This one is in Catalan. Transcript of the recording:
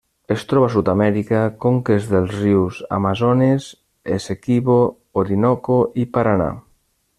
Es troba a Sud-amèrica: conques dels rius Amazones, Essequibo, Orinoco i Paranà.